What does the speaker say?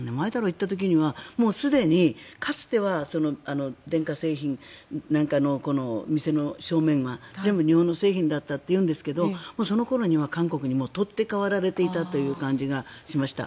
行った時には、もうすでにかつては電化製品なんかの店の正面は全部日本の製品だったというんですがその頃には韓国に取って代わられていたという感じがしました。